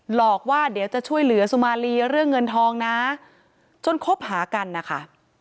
หลอกว่าเดี๋ยวจะช่วยเหลือสุมารีเรื่องเงินทองนะจนคบหากันนะคะ